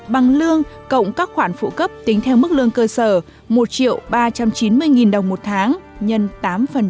bằng lương cộng các khoản phụ cấp tính theo mức lương cơ sở một ba trăm chín mươi đồng một tháng nhân tám